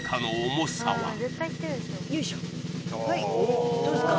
はいどうですか？